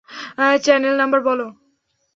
Channel number বলো।